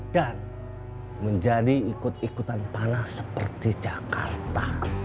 dan menjadi ikut ikutan panah seperti jakarta